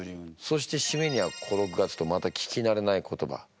そしてしめには「小六月」とまた聞きなれない言葉。